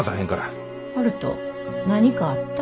悠人何かあった？